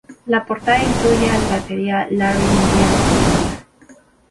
La portada incluye al batería Larry Mullen, Jr.